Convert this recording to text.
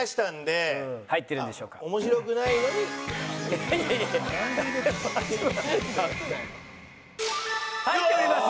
入っております。